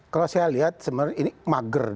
kalau saya lihat sebenarnya ini mager